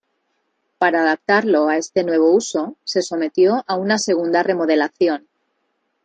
Para adaptarlo a este nuevo uso, se sometió a una segunda remodelación.